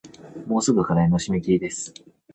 もうすぐ課題の締切です